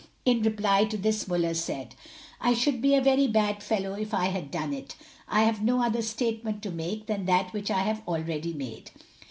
In reply to this Muller said, "I should be a very bad fellow if I had done it. I have no other statement to make than that which I have already made."